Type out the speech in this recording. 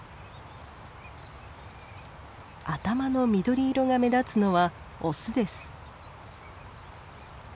頭の緑色が目立つのはオスです。